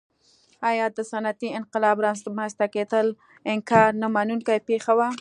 ایا د صنعتي انقلاب رامنځته کېدل انکار نه منونکې پېښه وه.